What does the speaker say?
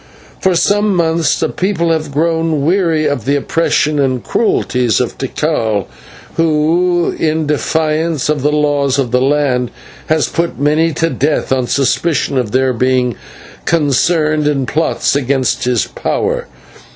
For some months the people have grown weary of the oppressions and cruelties of Tikal, who in defiance of the laws of the land has put many to death on suspicion of their being concerned in plots against his power.